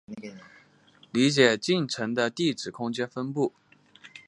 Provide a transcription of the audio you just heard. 理解进程的地址空间分布